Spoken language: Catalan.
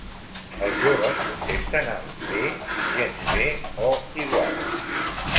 Els joves contesten amb "bé", "gens bé" o "igual".